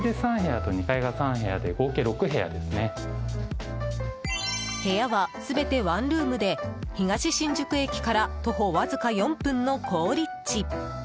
部屋は全てワンルームで東新宿駅から徒歩わずか４分の好立地。